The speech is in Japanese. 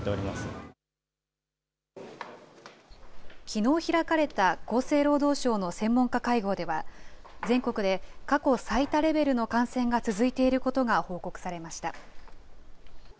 きのう開かれた厚生労働省の専門家会合では、全国で過去最多レベルの感染が続いていることが報告されました。